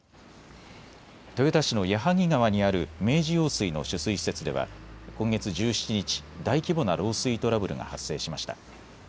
豊田市の矢作川にある明治用水の取水施設では今月１７日、大規模な漏水トラブルが発生しました。